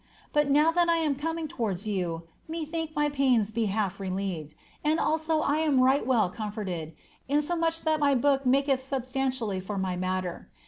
But now that I am coming towards you, me thinketh my pains be half relieved, and also I am right well oomforted, insomuch that my book maketh substantially for my matter.